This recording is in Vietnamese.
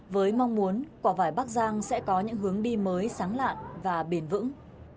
với mong muốn quả vải bắc giang sẽ có những hướng đi mới sáng lạn và bền vững